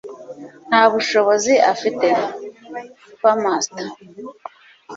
Nta bushobozi afite (Spamster)